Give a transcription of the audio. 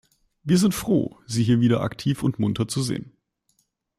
Wir sind froh, Sie hier wieder aktiv und munter zu sehen.